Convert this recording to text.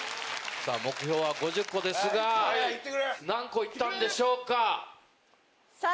目標は５０個ですが何個行ったんでしょうか？